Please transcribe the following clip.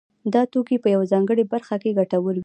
دا توکي په یوه ځانګړې برخه کې ګټور وي